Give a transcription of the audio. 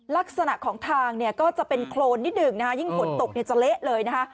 ลักษณะของทางเนี่ยก็จะเป็นโครนนิดหนึ่งนะฮะยิ่งฝนตกจะเละเลยนะคะ